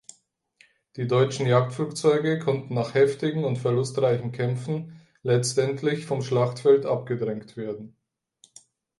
Die deutschen Jagdflugzeuge konnten nach heftigen und verlustreichen Kämpfen letztendlich vom Schlachtfeld abgedrängt werden.